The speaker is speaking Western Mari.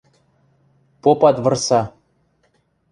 Попат вырса: